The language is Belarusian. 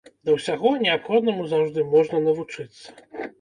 Да ўсяго, неабходнаму заўжды можна навучыцца.